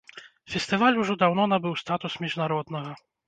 Фестываль ужо даўно набыў статус міжнароднага.